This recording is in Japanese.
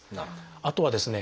あとはですね